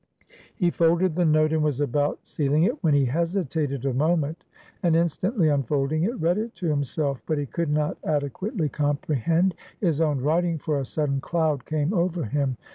He folded the note, and was about sealing it, when he hesitated a moment, and instantly unfolding it, read it to himself. But he could not adequately comprehend his own writing, for a sudden cloud came over him.